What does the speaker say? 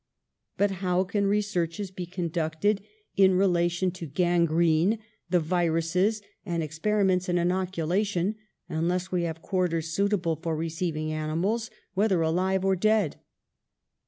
"But how can researches be conducted in re FOR THE NATIONAL WEALTH 93 lation to gangrene, the viruses, and experi ments in inoculation, unless we have quarters suitable for receiving animals, whether alive or dead?